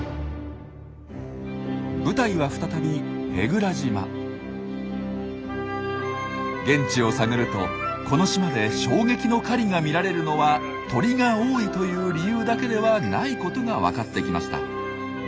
舞台は再び現地を探るとこの島で衝撃の狩りが見られるのは鳥が多いという理由だけではないことが分かってきました。